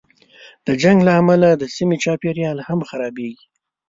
د جنګ له امله د سیمې چاپېریال هم خرابېږي.